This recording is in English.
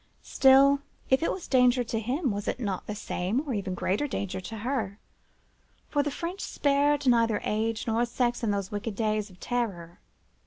Still, if it was danger to him, was it not the same or even greater danger to her?—for the French spared neither age nor sex in those wicked days of terror.